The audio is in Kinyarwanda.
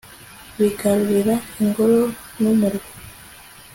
bigarurira ingoro n'umurwa